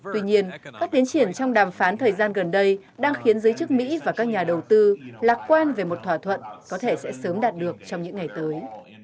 tuy nhiên các tiến triển trong đàm phán thời gian gần đây đang khiến giới chức mỹ và các nhà đầu tư lạc quan về một thỏa thuận có thể sẽ sớm đạt được trong những ngày tới